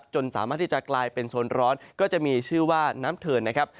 สามารถที่จะกลายเป็นโซนร้อนก็จะมีชื่อว่าน้ำเทินนะครับ